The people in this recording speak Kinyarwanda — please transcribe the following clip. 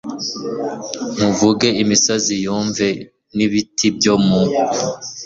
nkuvuge imisozi yumve, n'ibiti byo mu